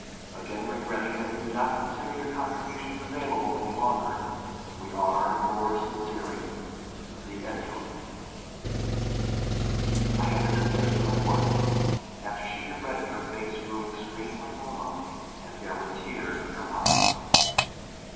Again regretting that we do not consider your contributions available any longer, we are, yours sincerely, THE EDITOR. I handed this letter to my wife. After she had read it her face grew extremely long, and there were tears in her eyes.